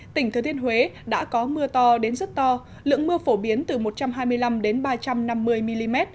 tỉnh thừa thiên huế đã có mưa to đến rất to lượng mưa phổ biến từ một trăm hai mươi năm đến ba trăm năm mươi mm